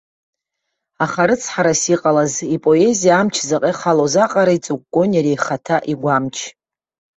Аха, рыцҳарас иҟалаз, ипоезиа амч заҟа ихалоз аҟара, иҵыкәкәон иара ихаҭа игәамч.